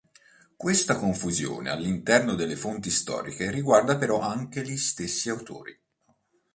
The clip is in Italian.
Questa confusione all'interno delle fonti storiche riguarda però anche gli autori stessi.